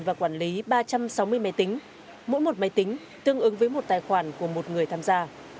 và quản lý ba trăm sáu mươi máy tính mỗi một máy tính tương ứng với một tài khoản của một người tham gia